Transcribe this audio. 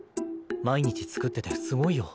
毎日作っててすごいよ。